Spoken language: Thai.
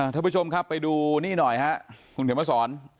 ท่านผู้ชมครับไปดูโครงโถมสร